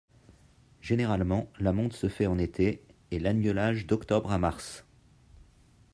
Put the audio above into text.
Généralement, la monte se fait en été et l'agnelage d'octobre à mars.